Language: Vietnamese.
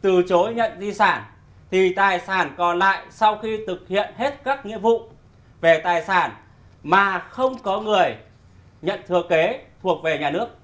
từ chối nhận di sản thì tài sản còn lại sau khi thực hiện hết các nghĩa vụ về tài sản mà không có người nhận thừa kế thuộc về nhà nước